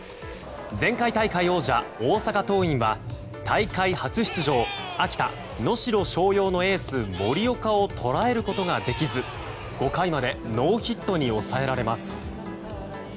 前回大会王者、大阪桐蔭は大会初出場、秋田・能代松陽のエース森岡を捉えることができず５回までノーヒットに抑えられます。